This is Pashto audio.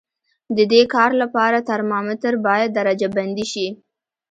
د دې کار لپاره ترمامتر باید درجه بندي شي.